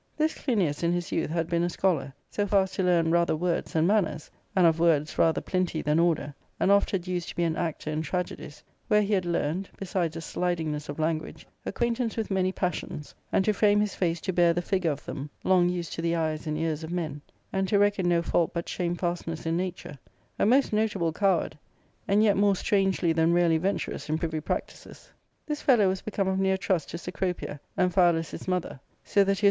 This Clinias in his youth had been a scholar, so far as to , learn rather words than manners, and of words rather plenty than order, and oft had used to be an actor in tragedies, where he had learned, besides a slidingness of language, acquaintance with many passions, and to frame his face to bear the figure of them, long used to the eyes and ears of men, and to reckon no fault but shamefastness in nature ; a most notable coward, and yet more strangely than rarely venturous in privy practices. This fellow was become ofi near trust to Gecropia, Amphialus his mother, so that he was!